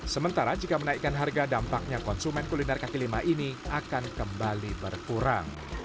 sementara jika menaikkan harga dampaknya konsumen kuliner kaki lima ini akan kembali berkurang